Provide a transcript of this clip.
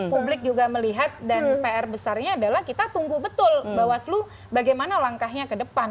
publik juga melihat dan pr besarnya adalah kita tunggu betul bawaslu bagaimana langkahnya ke depan